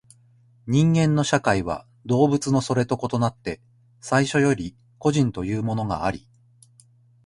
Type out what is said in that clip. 人間の社会は動物のそれと異なって最初より個人というものがあり、